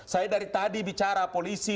saya dari tadi bicara polisi